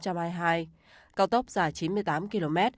cao tốc dài chín mươi tám km